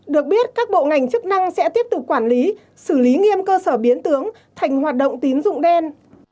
được biết các bộ ngành chức năng sẽ tiếp tục quản lý xử lý nghiêm cơ sở biến tướng thành hoạt động tín dụng đen